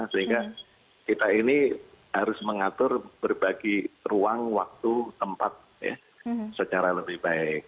sehingga kita ini harus mengatur berbagi ruang waktu tempat secara lebih baik